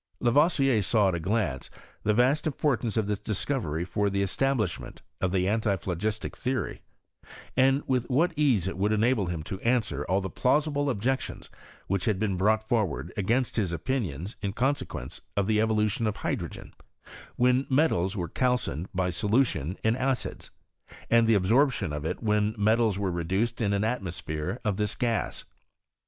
Lavoisier saw Ett a glance the vast importance of tins discovery for the establishment of the antiphlogistic theory, and with what ease it would enable him to answer all the plausible objections which had been brought forward against his opinions in consequence of thfi evolution of hydrogen, when metals were calcined by solution in acids, and the absorption of it when metals were reduced in an atmosphere of this gas.